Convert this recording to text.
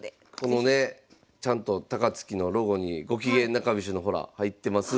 このねちゃんと高槻のロゴにゴキゲン中飛車のほら入ってます。